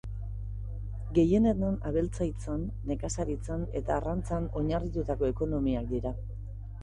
Gehienetan abeltzaintzan, nekazaritzan eta arrantzan oinarritutako ekonomiak dira.